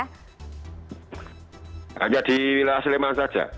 hanya di wilayah sleman saja